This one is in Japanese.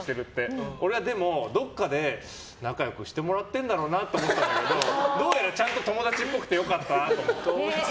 でも、俺はどこかで仲良くしてもらってるんだろうなって思ってたんだけどどうやらちゃんと友達っぽくてよかったなと思う。